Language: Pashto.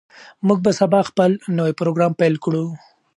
موږ به سبا خپل نوی پروګرام پیل کړو.